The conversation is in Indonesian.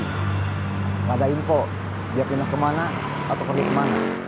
tidak ada info dia pindah kemana atau pergi kemana